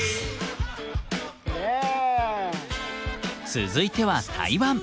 続いては台湾！